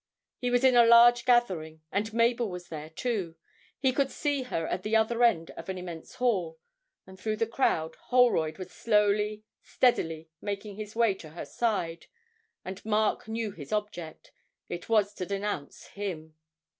He was in a large gathering, and Mabel was there, too; he could see her at the other end of an immense hall, and through the crowd Holroyd was slowly, steadily making his way to her side, and Mark knew his object; it was to denounce him.